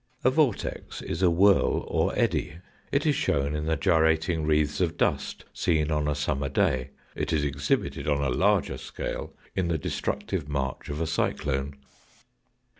A vortex is a whirl or eddy it is shown in the gyrating wreaths of dust seen on a summer day ; it is exhibited on a larger scale in the destructive march of a cyclone.